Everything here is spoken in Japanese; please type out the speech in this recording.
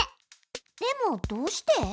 でもどうして？